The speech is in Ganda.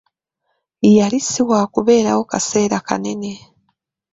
Yali si waakubeerawo kaseera kanene.